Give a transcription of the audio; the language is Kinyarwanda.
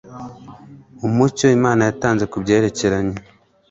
Umucyo Imana yatanze ku byerekeranye